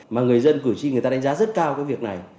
mà người dân cử tri người ta đánh giá rất cao cái việc này